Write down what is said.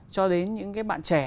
cho đến những bạn trẻ